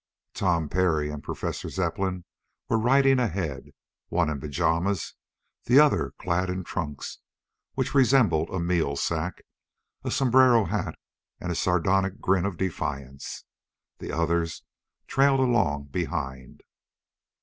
Tom Parry and Professor Zepplin were riding ahead, one in pajamas, the other clad in trunks which resembled a meal sack a sombrero hat and a sardonic grin of defiance. The others trailed along behind.